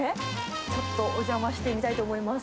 ちょっとお邪魔してみたいと思います。